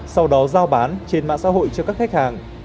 sau đó giao bán trên mạng xã hội cho các khách hàng